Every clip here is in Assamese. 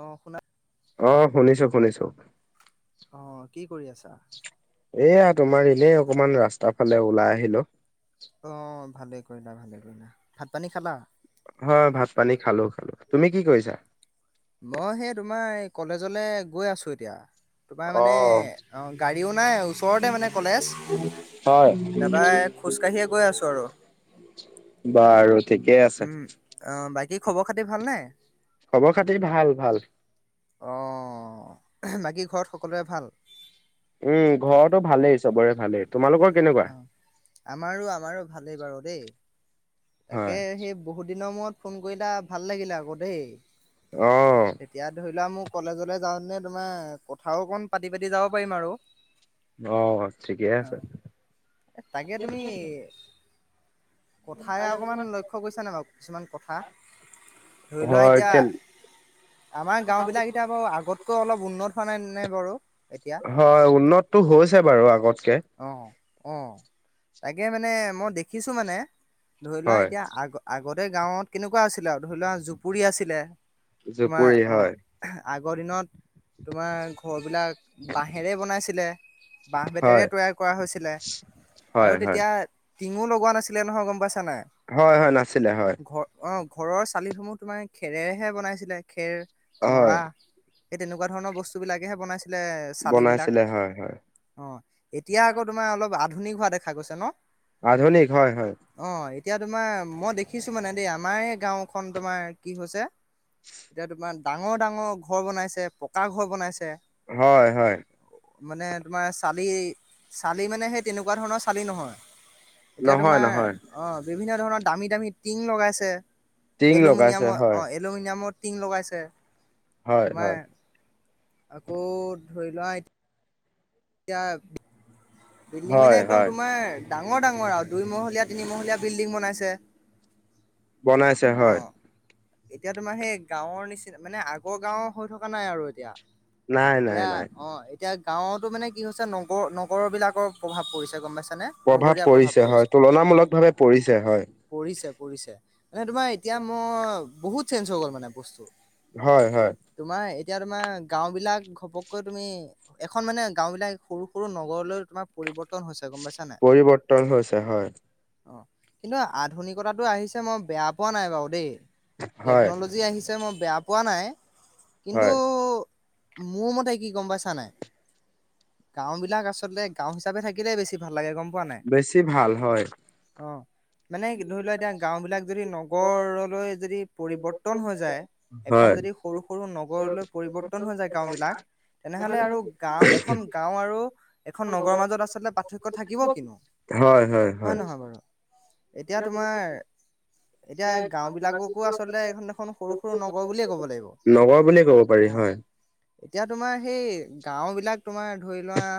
অ শুনা, আহ শুনিছো শুনিছো। অ কি কৰি আছা? এয়া তোমাৰ এনেই অকমান ৰাস্তাৰ ফালে ওলাই আহিলোঁ। অ ভালে ভাত পানী খালা? হয় ভাত পানী খালো খালো তুমি কি কৰিছা মই সেই তোমাৰ, কলেজলে গৈ আছোঁ এতিয়া। তোমাৰ অ মানে অ গাড়ীও নাই, ওচৰতে মানে কলেজ হয় তাপাই খোজ কাঢ়ি [unintelligible] গৈ আছোঁ আৰু বাৰু ঠিকেই আছে উম অ বাই কি খবৰ খাতি ভালনে? খবৰ খাতি ভাল ভাল অ, বাকী ঘৰত সকলোৰে ভাল? উম ঘৰটো ভালেই চবৰে ভালেই। তোমালোকৰ কেনেকুৱা অ আমাৰো আমাৰো ভালেই বাৰু দেই। তাকে হয় সেই বহুত দিনৰ মূৰত ফোন কৰিলা ভাল লাগিলে আকৌ দেই। অ এতিয়া ধৰি লোৱা মোক। কলেজলে যাওঁতে তোমাৰ কথাও অকণ পাতি পাতি যাব পাৰিম আৰু। অ ঠিকে অ আছে। তাকে, তুমি কথাই অকণমান লক্ষ্য কৰিছা নাই বাৰু কিছুমান কথা। ধৰি লোৱা হয় এতিয়া কে আমাৰ গাঁওবিলাক এতিয়া বাৰু আগত। আগতকৈ অলপ উন্নত হোৱা নাইনে বাৰু? এতিয়া হয়, উন্নতটো হৈছে বাৰু আগতকে। অ অ', তাকে, মানে মই দেখিছোঁ, মানে ধৰি লোৱা হয় এতিয়া আগ-আগ আগতে গাঁৱত কেনেকুৱা আছিলে আৰু ধৰি লোৱা জুপুৰি আছিলে। তোমাৰ জুপুৰী অ হয়। আগৰ দিনত তোমাৰ ঘৰবিলাক বাঁহেৰেই বনাইছিলে। বাঁহ, বেতেৰে হয় তৈয়াৰ কৰা হৈছিলে আৰু হয় হয় তেতিয়া। টিঙো লগোৱা নাছিলে নহয়, গম পাইছ হয়, হয়, নাছিলে হয়। অ ঘৰৰ চালিসমূহ তোমাৰ খেৰেহে বনাইছিলে, খেৰ, নৰা। হয় এই তেনেকুৱা ধৰণৰ বস্তুবিলাকেহে বনাই আছিলে চালিবিলাক বনাইছিলে হয় হয় অ', এতিয়া আকৌ তোমাৰ অলপ আধুনিক হোৱা দেখা গৈছে ন? আধুনিক হয়, হয়। অ এতিয়া তোমাৰ মই দেখিছোঁ মানে দেই, আমাৰ এই গাঁওখন তোমাৰ কি হৈছে? এতিয়া তোমাৰ ডাঙৰ ডাঙৰ ঘৰ বনাইছে পকা ঘৰ বনাইছে। হয়, হয়। মানে তোমাৰ চালি, চালি মানে সেই তেনেকুৱা ধৰণৰ চালি নহয়। এতিয়া নহয় তোমাৰ নহয় অ, বিভিন্ন ধৰণৰ দামী দামী টিং লগাইছে। টিং লগাইছে এলুমিনিয়াম হয় অ', এলুমিনিয়ামৰ টিং লগাইছে। হয়, তোমাৰ হয়। আকৌ, ধৰি লোৱা এ এতিয়া বিল্ডিং মানে হয় একদম হয় তোমাৰ ডাঙৰ, ডাঙৰ আৰু দুইমহলীয়া, তিনিমহলীয়া বিল্ডিং বনাইছে। বনাইছে অ হয় এতিয়া তোমাৰ সেই গাঁৱৰ নিচিনা মানে আগৰ গাঁওৰ হৈ থকা নাই আৰু এতিয়া নাই নাই এতিয়া নাই অ এতিয়া গাঁৱতো মানে কি হৈছে নগৰ নগৰ বিলাক প্ৰভাৱ পৰিছে গম পাইছা। প্ৰভাৱ পৰিছে হয় তুলনামূলক ভাৱে পৰিছে হয় পৰিছে পৰিছে মানে তোমাৰ এতিয়া মোৰ বহুত চেঞ্জ হৈ গ'ল মানে বস্তু হয়, হয়। তোমাৰ এতিয়া তোমাৰ গাঁও বিলাক ঘপককৈ তুমি এখন মানে গাও বিলাক সৰু সৰু নগৰলৈ তোমাৰ পৰিৱৰ্তন হৈছে গম পাইছা নাই পৰিৱৰ্তন হৈছে হয় অ কিন্তু আধুনিকতাটো আহিছে মই বেয়া পোৱা নাই বাৰু দেই হয় টেকন'লজি আহিছে মই বেয়া পোৱা নাই কিন্তু হয় মোৰ মতে কি গম পাইছা নাই, গাও বিলাক আচলতে গাঁও হিচাপে থাকিলে বেছি ভাল লাগে গম পোৱা নাই বেছি ভাল হয় অ মানে ধৰি লোৱা এতিয়া গাও বিলাক যদি নগৰলৈ যদি পৰিৱৰ্তন হৈ যায় এখন হয় যদি সৰু সৰু নগৰলৈ পৰিৱৰ্তন হৈ যায় গাও বিলাক তেনেহলে আৰু গাও এখন গাও আৰু খন নগৰৰ মাজত আচলতে পাৰ্থক্য থাকিব কিনো হয় নহয় বাৰু এতিয়া তোমাৰ এতিয়া গাও বিলাককো আচলতে এইখন দেখন সৰু সৰু নগৰ বুলিয়ে কব নগৰ বুলিয়ে ক'ব পাৰি লাগিব অ হয়। এতিয়া তোমাৰ সেই গাও বিলাক তোমাৰ ধৰি লোৱা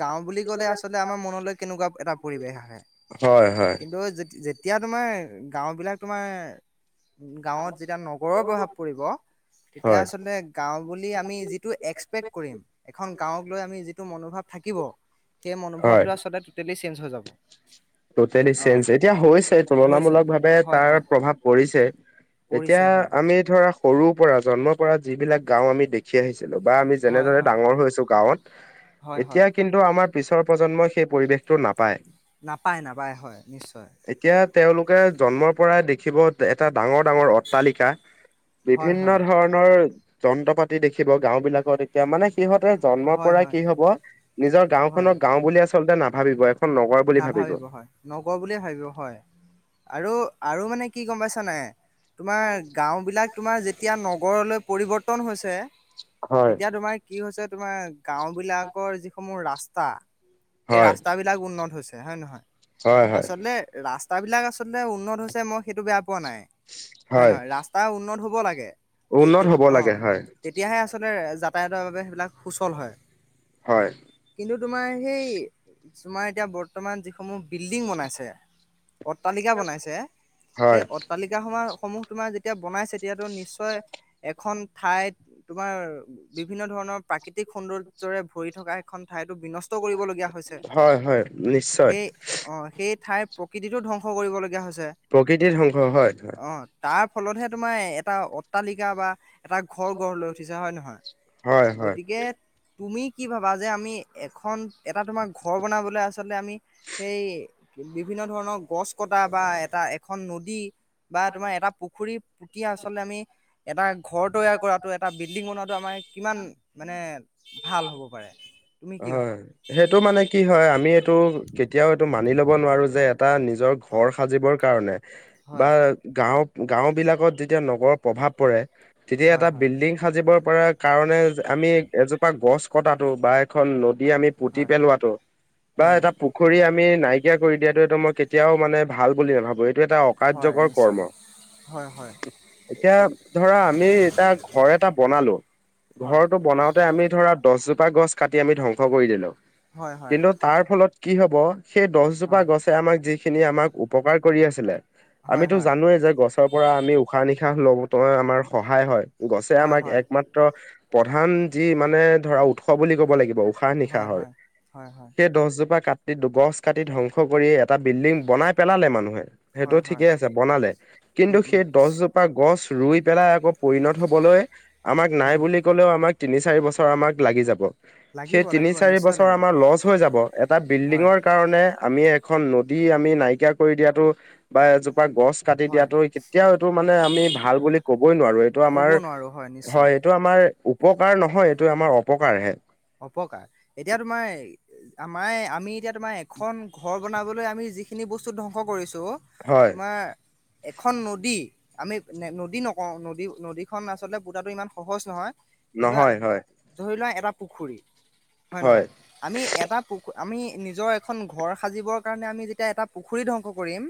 গাও বুলি ক'লে আচলতে আমাৰ মনলৈ কেনেকুৱা এটা পৰিৱেশ আহে হয় হয় কিন্তু তেতিয়া তোমাৰ গাঁওবিলাক তোমাৰ গাঁৱত যেতিয়া নগৰৰ প্ৰভাৱ পৰিব। তেতিয়া হয় আচল গাওঁ বুলি আমি যিটো এক্সপেক কৰিম এখন গাওক লৈ আমি যিটো মনোভাৱ থাকিব সেই মনোভাৱটো আচলতে টটেলি চেঞ্জ হৈ যাব টোটেলি অ চেঞ্জ এতিয়া হৈছে হৈছে তুলনামূলক ভাৱে হয় তাৰ হয় প্ৰভাৱ পৰিছে এতিয়া পৰিছে হয় আমি ধৰা সৰু পৰা জন্মৰ পৰা যিবিলাক গাওঁ আমি দেখি আহিছো বা আমি হয় যেনেদৰে হয় ডাঙৰ হৈছো হয় গাঁৱত হয় এতিয়া কিন্তু আমাৰ পিছৰ প্ৰজন্মই সেই পৰিৱেশটো নাপায় নাপায় নাপায় হয় নিশ্চয় এতিয়া তেওঁলোকে জন্মৰ পৰাই দেখিব এটা ডাঙৰ ডাঙৰ অট্টালিকা হয় হয় বিভিন্ন ধৰণৰ যন্ত্ৰ পাতি দেখিব গাওঁ বিলাকত এতিয়া মানে সিহতে জন্মৰ হয় পৰাই হয় কি হব নিজৰ গাওঁ হয় খনৰ গাওঁ বুলি আচলতে নাভাবিব খন নগৰ বুলি ভাবিব নগওঁ বুলিয়ে ভাবি হয় আৰু আৰু মানে কি গম পাইছা নাই তোমাৰ গাঁও বিলাক তোমাৰ যেতিয়া নগৰলৈ পৰিৱৰ্তন হৈছে হয়। তেতিয়া তোমাৰ কি হৈছে তোমাৰ গাওঁ বিলাকৰ যিসমূহ ৰাস্তা সেই হয় ৰাস্তাবিলাক উন্নত হৈছে হয় ন নহয় হয় হয় আচলতে ৰাস্ ৰাস্তাবিলাক আচলতে উন্নত হৈছে মই সেইটো বেয়া পোৱা নাই হয় নহয় ৰাস্তা উন্নত হ'ব লাগে তে উন্নত হ'ব অ লাগে হয় তেতিয়াহে আচলতে যাতায়তৰ বাবে সেইবিলাক সুচল হয় হয় কিন্তু তোমাৰ সেই তোমাৰ এতিয়া বৰ্তমান যিসমূহ বিল্ডিং বনাইছে অট্টালিকা বনাইছে সেই হয় অট্টালিকাসমা সমূহ তোমাৰ যেতিয়া বনাইছে তেতিয়াতো নিশ্চয় এখন ঠাইত তোমাৰ বিভিন্ন ধৰণৰ প্ৰাকৃতি তিক সৌন্দৰ্যৰে ভৰি থকা এখন ঠাইতো বিনষ্ট কৰিবলগীয়া হৈছে হয় হয় নিশ্চয় সেই অ সেই ঠাইৰ প্ৰকৃতিটো ধ্বংস কৰিবলগীয়া হৈছ ছে প্ৰকৃতিৰ ধ্বংস হয় হয় অ তাৰ ফলতহে তোমাৰ এটা অট্টালিকা বা এটা ঘৰ গঢ় লৈ উঠিছে হয় নহয় হয় হয় গতিকে তুমি কি ভাবা যে আমি এখন এটা তোমাৰ ঘৰ বনাবলৈ আছ আচতে আমি সেই বিভিন্ন ধৰণৰ গছ কটা বা এটা এখন নদী বা তোমাৰ এটা পুখুৰী পুতি আচলতে আমি এটা ঘৰ তৈয়াৰ কৰাতো এটা বিল্ডিং বনোৱাতো আমাৰ কিমান মানে ভাল হ'ব পাৰে? তুমি কি হয়, ভাবা? সেইটো মানে কি হয় আমি এইটো কেতিয়াও এইটো মানি ল'ব নোৱাৰো যে এটা নিজৰ ঘৰ হয় সাজিবৰ কাৰণে বা হয় গাঁও গাঁওবিলাকত যেতিয়া নগৰৰ প্ৰভাৱ পৰে তেতিয়া হয় এটা হয় বিল্ডিং সাজিব পৰাৰ কাৰণে আমি এজোপা গছ কটাটো বা এখন নদী আমি পুতি হয় পেলোৱাটো বা হয় এটা পুখুৰী আমি নাই কৰি দিয়াটো এইটো মই কেতিয়াও মানে ভাল বুলি নেভাবো, এইটো এটা হয় অকাৰ্যকৰ কৰ্ম। নিশ্চয় হয় হয় এতিয়া ধৰা আমি এতিয়া ঘৰ এটা বনালো। হয় ঘৰটো বনাওঁতে আমি ধৰা দছজোপা গছ কাটি আমি ধ্বংস কৰি দিলো, হয় হয় কিন্তু তাৰ ফলত কি হ'ব সেই দহজোপা হয় গছে আমাক যিখিনি আমাক উপকাৰ কৰি আছিলে। হয় আমিতো হয় জানোৱেই যে গছৰ পৰা আমি উশাহ নিশাহ লওঁ ত আমাৰ সহায় হয় গছে হয় আমাক হয় একমাত্ৰ প্ৰধান যি মানে ধৰা উৎস বুলি ক'ব লাগিব উশাহ হয় নিশাহৰ, হয় হয় হয় সেই দছজোপা কাটি গছ কাটি ধ্বংস কৰি এটা বিল্ডিং বনাই পেলালে মানুহে সেইটো হয় হয় ঠিকে আছে বনালে কিন্তু উম উম সেই দছজোপা গছ ৰুই পেলাই আকৌ পৰিণত হবলৈ আমাক নাই উম, বুলি কলেও আমাক তিনি চাৰি বছৰ আমাক লাগি যাব। লাগিব সেই তিনি লাগিব চাৰি নিশ্চয় বছৰ লাগিব আমাৰ লছ হৈ যাব এটা হয় বিল্ডিঙৰ কাৰণে আমি এক এখন নদী আমি নাইকিয়া কৰি দিয়াতো বা এজো বা গছ কাটি হয় দিয়াটো কেতিয়াও এইটো মানে আমি ভাল বুলি বই নোৱাৰো এইটো ক'ব আমাৰ নোৱাৰো নিশ্চয় হয় এইটো আমাৰ উপকাৰ নহয় এইটো আমাৰ অপকাৰহে। অপকাৰ এতিয়া তোমাৰ আমাৰ আমি এতিয়া তোমাৰ এখন ঘৰ বনাবলৈ আমি যিখিনি বস্তু ধংস কৰিছো হয়, তোমাৰ এখন নদী আমি নদী নকওঁ নদী নদীখন আচলতে পুতাটো ইমান সহজ নহয় কিন্তু নহয় হয়, ধৰি লোৱা এটা পুখুৰী, হয় নহয়? আমি এটা পুখ আমি নিজৰ এখন ঘৰ সাজিবৰ কাৰণে আমি যেতিয়া এটা পুখুৰী ধ্বংস কৰিম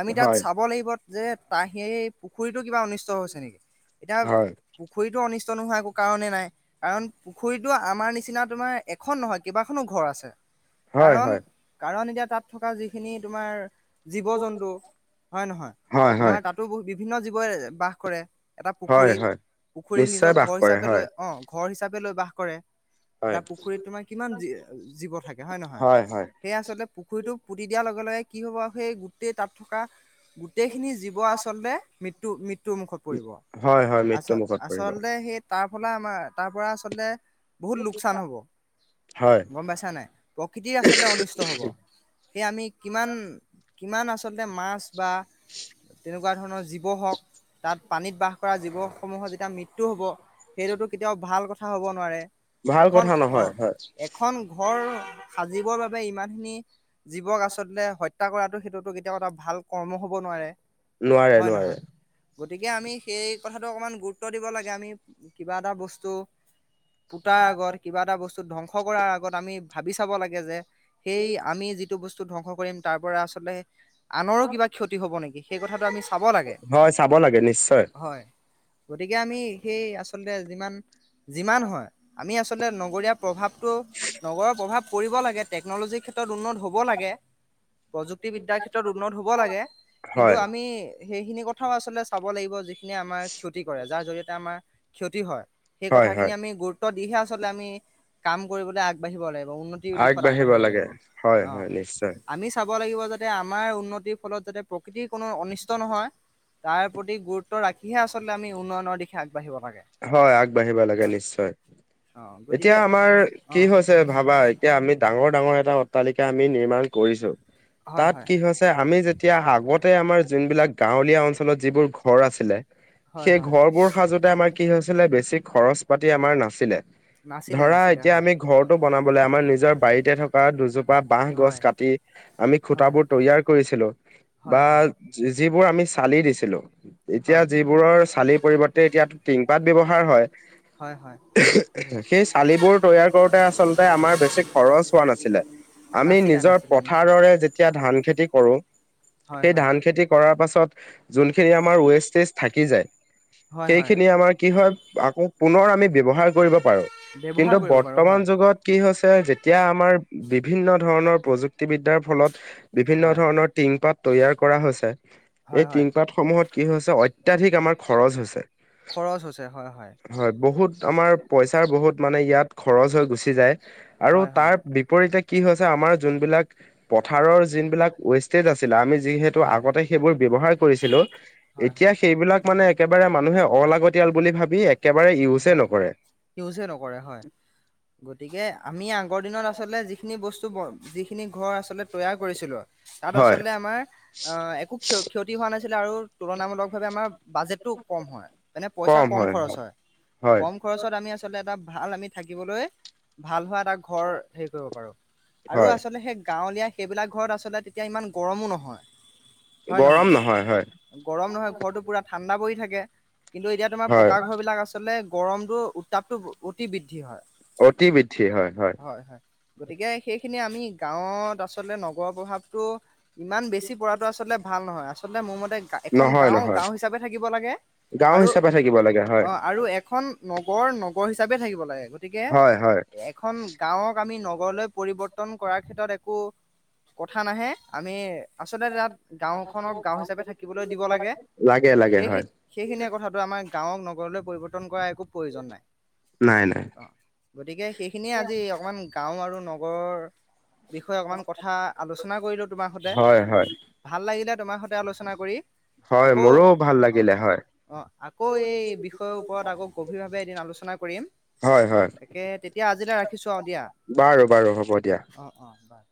আমি তাত হয়। চাব লাগিব যে তা সেই পুখুৰীটো কিবা অনিষ্ট হৈছে নেকি। এটা হয় পুখুৰী টো অনিষ্ট নোহোৱা একো কাৰণেই নাই, কাৰণ পুখুৰীতো আমাৰ নিচিনা তোমাৰ এখন নহয় কেইবাখনো ঘৰ আছে। হয় কাৰণ হয় কাৰণ এতিয়া তাত থকা যিখিনি তোমাৰ জীৱ জন্তু হয় নহয়, হয় হয় তোমাৰ তাতো বিভিন্ন জীৱই বাস কৰে। এটা হয় পুখুৰীক হয় পুখুৰীক নিজৰ নিশ্চয় বাস ঘৰ কৰে হিচাপে হয় লৈ অ ঘৰ হিচাপে লৈ বাস কৰে হয় এটা পুখুৰীত তোমাৰ কিমান জীৱ থাকে হয় নহয় সেইয়া আচলতে পুখুৰীটো পুতি দিয়াৰ লগে লগে কি হ'ব সেই গোটেই তাত থকা গোটেইখিনি জীৱ আচলতে মৃত্যু মৃত্যুৰ মুখত পৰিব। হয় হয় আচ মৃত্যু মুখত পৰিব আচলতে সেই তাৰ ফল আমাৰ তাৰপৰা আচলতে বহুত লোকচান হ'ব, হয় গ'ম পাইছানে নাই প্ৰকৃতি আচলতে অনিষ্ট হ'ব। সেই আমি কিমান কিমান আচলতে মাছ বা তেনেকুৱা ধৰণৰ জীৱ হওঁক তাত পানীত বাস কৰা জীৱসমূহৰ যেতিয়া মৃত্যু হ'ব। সেইটোতো কেতিয়াওঁ ভাল কথা হ'ব নোৱাৰে। ভাল এখন কথা নহয় অ' হয় এখন ঘৰ সাজিবৰ বাবে ইমান খিনি জীৱক আচলতে সত্ হত্যা কৰাটো সেইটোতো কেতিয়াও এটা ভাল কৰ্ম হ'ব নোৱাৰে। নোৱাৰে, হয় নোৱাৰে। নহয় গতিকে, আমি সেই কথাটো অকমান গুৰুত্ব দিব লাগে, আমি কিবা এটা বস্তু পোতাৰ আগত কিবা এটা বস্তু ধ্বংস কৰাৰ আগত, আমি ভাবি চাব লাগে যে সেই আমি যিটো বস্তু ধ্বংস কৰিম তাৰ পৰা আচলতে আনৰো কিবা ক্ষতি হ'ব নেকি সেই কথাটো আমি চাব লাগে হয় চাব লাগে নিশ্চয় হয়। গতিকে, আমি সেই আচলতে যিমান যিমান হয়। আমি আচলতে নগৰীয়া প্ৰভাৱটো নগৰৰ প্ৰভাৱ পৰিব লাগে টেকন'লজিৰ ক্ষেত্ৰত ক্ষেত্ৰত উন্নত হ'ব লাগে প্ৰযুক্তিবিদ্যাৰ ক্ষেত্ৰত উন্নত হ'ব লাগে কিন্তু হয় আমি সেইখিনি কথাও আচলতে চাব লাগিব যিখিনি আমাৰ ক্ষতি কৰে, যাৰ জৰিয়তে আমাৰ ক্ষতি হয়। সেই হয় কথাখিনি হয় আমি গুৰুত্ব দিহে, আচলতে আমি কাম কৰিবলৈ আগবাঢ়িব লাগিব। উন্নতিৰ দিশত আগবাঢ়িব লাগে হয় হয় নিশ্চয় ভাবিব লাগিব যাতে আমাৰ উন্নতিৰ ফলত যাতে প্ৰকৃতিৰ কোনো অনিষ্ট নহয়। তাৰ প্ৰতি গুৰুত্ব ৰাখিহে আচলতে আমি উন্নয়নৰ দিশে আগ হয়, আগবাঢ়িব লাগে নিশ্চয়। অ এতিয়া, গতিকে আমাৰ অ কি হৈছে ভাবা, এতিয়া আমি ডাঙৰ ডাঙৰ এটা অট্টালিকা আমি নিৰ্মান কৰিছোঁ। হয় তাত হয় কি হৈছে আমি যেতিয়া আগতে আমাৰ যোনবিলাক গাঁৱলীয়া অঞ্চলত যিবোৰ ঘৰ আছিলে। হয় সেই হয় ঘৰবোৰ সাজতে আমাক আছিলে। বেছি খৰচ পাতি আমাৰ নাছিলে। ন ধৰা এতিয়া আমি ঘৰটো বনাবলে আমাৰ নিজৰ বাৰীতে থকা দুজোপা বাহ হয় গছ কাটি আমি হয় খুটাবোৰ তৈয়াৰ কৰিছিলো হয় বা হয় যিবোৰ আমি চালি দিছিলো এতিয়া হয় যিবোৰৰ চালিৰ পৰিবৰ্তে এতিয়া টিংপাত ব্যৱহাৰ হয় হয় হয় সেই চালিবোৰ তৈয়াৰ কৰোতে আচলতে আমাৰ বেছি খৰচ হোৱা নাছিলে আমি নাছিলে নিজৰ নাছিলে নিশ্চয় পথাৰৰে যেতিয়া ধান খেতি কৰো হয় সেই হয় ধান খেতি কৰাৰ পাছত ত যোনখিনি আমাৰ ৱেষ্টেজ থাকি যায় হয় হয় খিনি আমাৰ কি হয় আকৌ পুনৰ আমি ব্যৱহাৰ কৰিব পাৰো ব্যৱহাৰ কিন্তু কৰিব পাৰো হয় বৰ্তমান যুগত কি হৈছে এতিয়া আমাৰ বিভিন্ন ধৰণৰ প্ৰযুক্তিবিদ্যাৰ ফলত বিভিন্ন হয় ধৰণৰ টিংপাত তৈয়াৰ কৰা হৈছে হয় এই হয় টিনপাত সমূহত কি হৈছে অত্যাধিক আমাৰ খৰচ হৈছে। হয় বহুত আমাৰ পইচাৰ বহুত মানে ইয়াত খৰচ হৈ গুচি যায় আৰু হয় হয় তাৰ বিপৰীতে কি হৈছে আমাৰ যোনবিলাক পথাৰৰ যোনিবিলাক ৱেষ্টেজ আছিলে আমি যিহেতু হয় আগতে সেইবোৰ ব্যৱহাৰ কৰিছিলো। হয় এতিয়া হয় সেইবিলাক মানে একেবাৰে মানুহে অলাগতিয়াল বুলি ভাবি একেবাৰে ইউজেই হয় নকৰে। ইউজে নকৰে হয় গতিকে আমি আগ আগৰ দিনত আচলতে যিখিনি বস্তু যিখিনি ঘৰ আচলতে তৈয়াৰ কৰিছিলোঁ তাত হয় আচলতে আমাৰ আহ একো ক্ষ ক্ষতি হোৱা নাছিলে আৰু তুলনামূলকভাৱে আমাৰ বাজেটটো কম হয়। এনে পইচা কম খৰচ হয় হয় কম খৰচত আমি আচলতে এটা ভাল আমি থাকিবলৈ ভাল হোৱা এটা ঘৰ হেৰি কৰিব পাৰোঁ আৰু হয় আচলতে সেই গাঁৱলীয়া সেইবিলাক ঘৰত আচলতে তেতিয়া ইমান গৰমো নহয় হয় গৰম নহয় হয় গৰম নহয় ঘৰটো পুৰা ঠাণ্ডা পৰি থাকে। কিন্তু এতিয়া তোমাৰ হয় পকা ঘৰ বিলাক আচলতে গৰমতটো উত্তাপটো অতি বৃদ্ধি হয়। অতি বৃদ্ধি হয় হয় গতিকে সেইখিনি আমি গাঁৱত আচলতে নগৰৰ প্ৰভাৱটো ইমান বেছি পৰাটো আচলতে ভাল নহয় আচলতে মোৰ মতে এখন নহয় গাওঁ নহয় গাওঁ হিচাপে থাকিব লাগে গাঁও আৰু হিচাপে থাকিব লাগে অ হয় আৰু এখন নগৰ ন ৰ হিচাপে থাকিব লাগে গতিকে হয় হয় এখন গাঁওক আমি নগৰলৈ পৰিৱৰ্তন কৰাৰ ক্ষেত্ৰত একো কথা নাহে আমি আচলতে তাত গাও খনক গাঁও হিচাপে থাকিবলৈ দিব লাগে লাগে লাগে সেই হয় সেইখিনিয়ে কথাটো আমাৰ গাঁৱক নগৰলৈ পৰিৱৰ্তন কৰা একো প্ৰয়োজন নাই। অ গতিকে সেইখিনিয়ে আজি অকমান গাও আৰু নগৰৰ বিষয়ে অকণমান কথা আলোচনা কৰিলোঁ তোমাৰ সৈতে হয় হয় ভাল লাগিলে তোমাৰ সৈতে আলোচনা কৰি। হয় আকৌ মোৰো ভাল অ লাগিলে হয়। অ আকৌ এই বিষয়ৰ ওপৰত আকৌ গভীৰভাৱে এদিন আলোচনা কৰিম হয় হয় তাকে তেতিয়া আজিলৈ ৰাখি বাৰু বাৰু হ'ব দিয়া। অঁ বাৰ